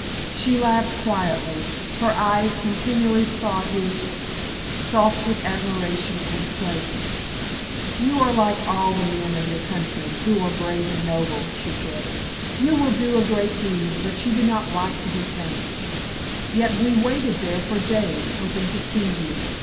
She laughed quietly. Her eyes continually sought his, soft with admiration and pleasure. "You are like all the men of your country, who are brave and noble," she said. "You will do a great deed, but you do not like to be thanked. Yet we waited there for days, hoping to see you.